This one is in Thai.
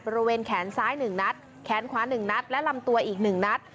บริเวณแขนซ้าย๑นัดแขนขวา๑นัดและลำตัวอีก๑นัด